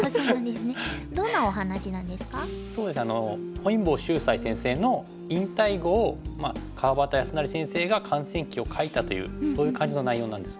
本因坊秀哉先生の引退碁を川端康成先生が観戦記を書いたというそういう感じの内容なんですけども。